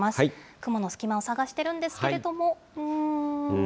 雲の隙間を探してるんですけれども、うーん。